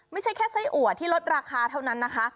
ไม่ใช่แค่ไส้อัวที่ลดราคาเท่านั้นนะคะ